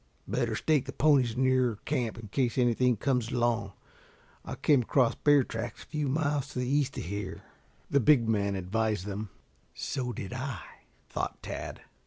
"Better stake the ponies nearer camp in case anything comes along. I came across bear tracks a few miles to the east of here," the big man advised them. "So did I," thought Tad.